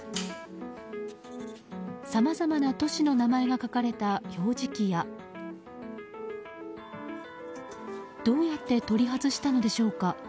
さまざまな都市の名前が書かれた表示器やどうやって取り外したのでしょうか。